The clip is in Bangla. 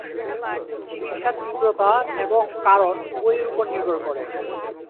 চিকিৎসা তীব্রতা এবং কারণ উভয়ের উপর নির্ভর করে।